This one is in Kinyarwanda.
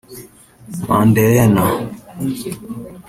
Mandelena